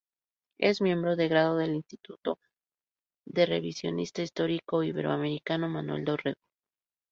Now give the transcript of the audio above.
Es miembro de grado del Instituto de Revisionismo Histórico Iberoamericano Manuel Dorrego.